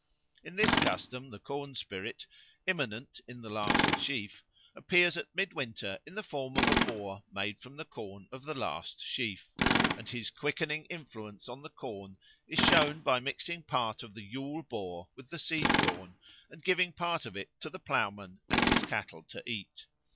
In this custom the corn spirit, immanent in the last sheaf, appears at midwinter in the form of a boar made from the corn of the last sheaf; and his quickening influence on the corn is shown by mixing part of the Yule Boar with the seed corn, and giving part of it to the ploughman and his cattle to eat.